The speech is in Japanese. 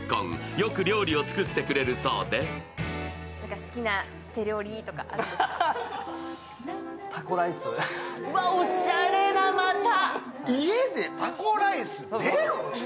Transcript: よく料理を作ってくれるそうでうわ、おしゃれな、また。